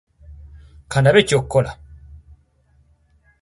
Akatale ke mbuzi ogenda ku kafuna.